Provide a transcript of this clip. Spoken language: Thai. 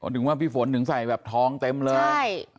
ถึงว่าพี่ฝนถึงใส่แบบทองเต็มเลย